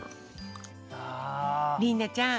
りんねちゃん！